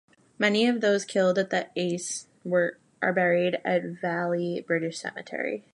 Many of those killed at the Aisne are buried at Vailly British Cemetery.